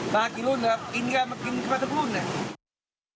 มากี่รุ่นมากินกันมากินครับทุกรุ่นนี้